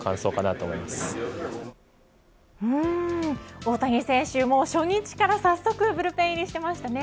大谷選手、もう初日から早速ブルペン入りしていましたね。